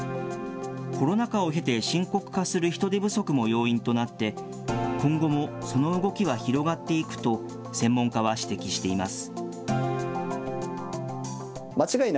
コロナ禍を経て深刻化する人手不足も要因となって、今後もその動きは広がっていくと、専門家は指摘しています。